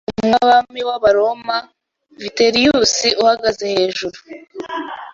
Umwami wabami wAbaroma Vitellius uhagaze hejuru